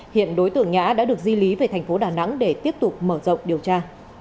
hiện đối tượng nhã đã được di lý về tp đà nẵng để tiếp tục mở rộng điều tra